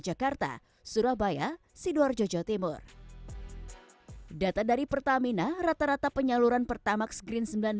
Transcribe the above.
jakarta surabaya sidoarjojo timur data dari pertamina rata rata penyaluran pertamax green